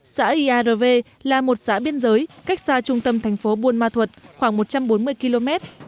xã iav là một xã biên giới cách xa trung tâm thành phố buôn ma thuật khoảng một trăm bốn mươi km